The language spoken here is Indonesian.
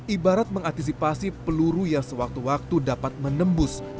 ibarat mengantisipasi peluru yang sewaktu waktu dapat menembus